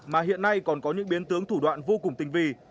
mà hiện nay còn có những biến tướng thủ đoạn vô cùng tinh vi